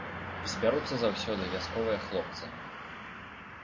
Збяруцца заўсёды вясковыя хлопцы.